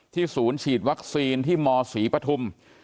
ศูนย์ฉีดวัคซีนที่มศรีปฐุม